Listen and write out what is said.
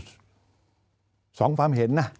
สองความเห็นนะ